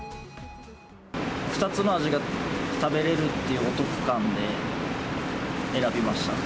２つの味が食べれるっていうお得感で選びました。